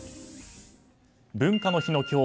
文化の日の今日